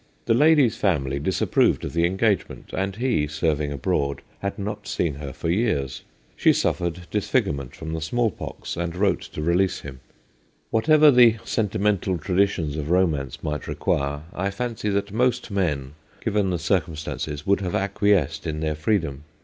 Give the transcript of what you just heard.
The lady's family disapproved of the engagement, and he, serv ing abroad, had not seen her for years. She suffered disfigurement from the smallpox, and MORALS 171 wrote to release him. Whatever the senti mental traditions of romance might require, I fancy that most men, given the circum stances, would have acquiesced in their free dom.